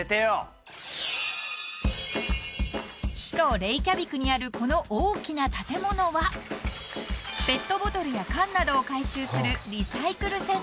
［首都レイキャビクにあるこの大きな建物はペットボトルや缶などを回収する］